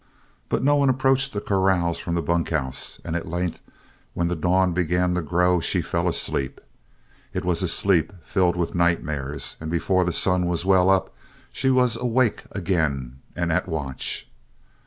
But no one approached the corrals from the bunkhouse, and at length, when the dawn began to grow, she fell asleep. It was a sleep filled with nightmares and before the sun was well up she was awake again, and at watch.